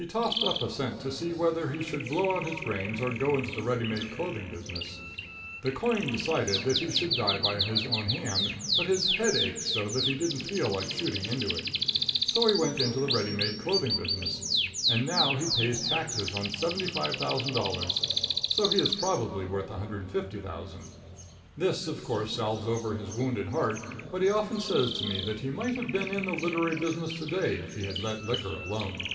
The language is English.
He tossed up a cent to see whether he should blow out his brains or go into the ready made clothing business. The coin decided that he should die by his own hand, but his head ached so that he didn't feel like shooting into it. So he went into the ready made clothing business, and now he pays taxes on $75,000, so he is probably worth $150,000. This, of course, salves over his wounded heart, but he often says to me that he might have been in the literary business to day if he had let liquor alone.